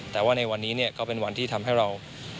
แต่ว่าในวันนี้ก็เป็นวันที่ทำให้เรา